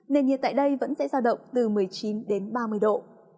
nền nhiệt tại đây vẫn sẽ giao động từ một mươi chín đến ba mươi độ